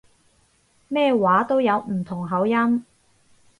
咩話都有唔同口音